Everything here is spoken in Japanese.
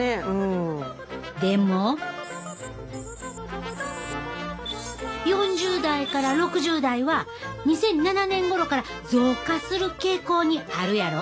でも４０代から６０代は２００７年ごろから増加する傾向にあるやろ。